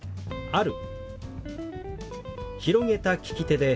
「ある」。